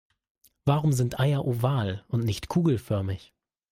Warum sind Eier oval und nicht kugelförmig?